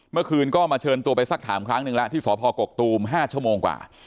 เมื่อคืนก็มาเชิญตัวไปสักถามครั้งหนึ่งแล้วที่สพกกตูม๕ชั่วโมงกว่า